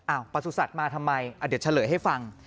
อ้าวประสุนศัตริย์มาทำไมเดี๋ยวเฉลยให้ฟัง